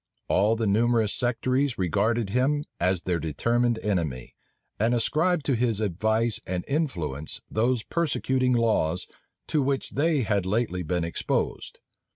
All the numerous sectaries regarded him as their determined enemy; and ascribed to his advice and influence those persecuting laws to which they had lately been exposed.